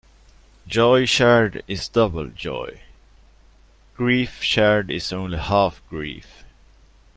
Joy shared is double joy; grief shared is only half grief.